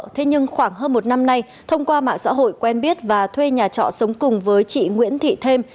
thế nhưng khoảng hơn một năm nay thông qua mạng xã hội quen biết và thuê nhà trọ sống cùng với chị nguyễn thị thêm